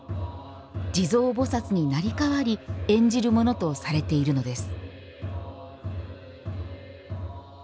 地蔵菩薩に成り代わり演じるものとされているのです。